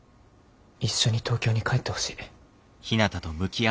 一緒に東京に帰ってほしい。